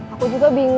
aku juga bingung